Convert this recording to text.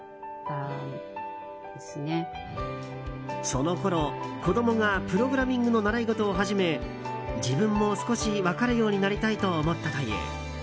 そのころ、子供がプログラミングの習い事を始め自分も少し分かるようになりたいと思ったという。